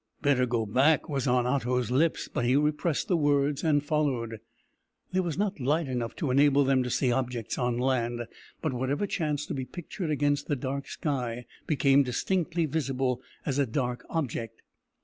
"Better go back," was on Otto's lips, but he repressed the words and followed. There was not light enough to enable them to see objects on land, but whatever chanced to be pictured against the dark sky became distinctly visible as a dark object.